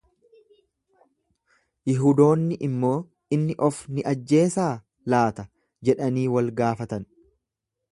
Yihudoonni immoo, Inni of ni ajjeesaa laata? jedhanii wal gaafatan.